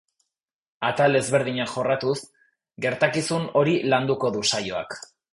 Atal ezberdinak jorratuz, gertakizun hori landuko du saioak.